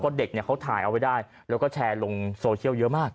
เด็กเนี่ยเขาถ่ายเอาไว้ได้แล้วก็แชร์ลงโซเชียลเยอะมาก